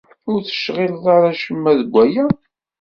Ur d-tecɣileḍ ara acemma d waya?